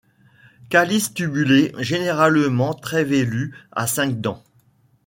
Calice tubulé généralement très velu à cinq dents.